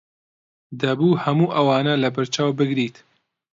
دەبوو هەموو ئەوانە لەبەرچاو بگریت.